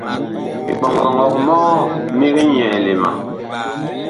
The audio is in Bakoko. Miɓɔŋɔg mɔɔ mig nyɛɛle ma.